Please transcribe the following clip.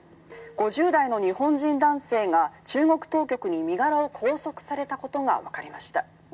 ５０代の日本人男性が中国当局に身柄を拘束されたことが分かりました。